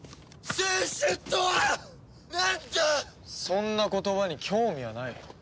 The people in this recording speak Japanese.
そんな言葉に興味はない。